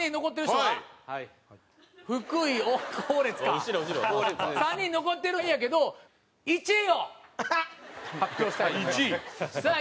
３人残ってるんやけど１位を発表したいと思います。